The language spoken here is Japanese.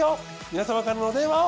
皆様からのお電話を。